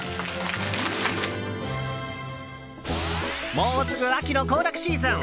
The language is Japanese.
もうすぐ秋の行楽シーズン。